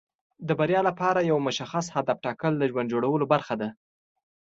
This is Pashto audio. د بریا لپاره یو مشخص هدف ټاکل د ژوند د جوړولو برخه ده.